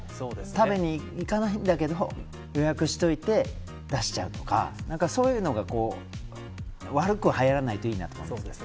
食べに行かないんだけど予約しといて出しちゃうとかそういうのが悪くはやらないといいなと思います。